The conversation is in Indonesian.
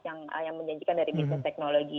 yang menjanjikan dari bisnis teknologi